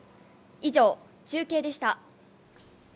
以上、中継でした。